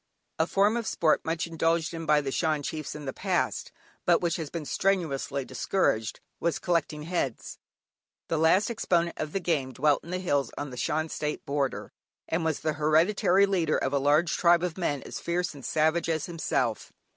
A form of sport much indulged in by the Shan chiefs in the past, but which has been strenuously discouraged was "Collecting Heads." The last exponent of the game dwelt in the hills on the Shan State border, and was the hereditary leader of a large tribe of men as fierce and savage as himself.